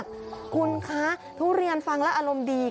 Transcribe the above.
คุณคะทุเรียนฟังแล้วอารมณ์ดี